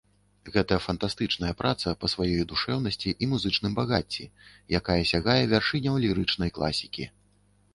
Гэта фантастычная праца па сваёй душэўнасці і музычным багацці, якая сягае вяршыняў лірычнай класікі.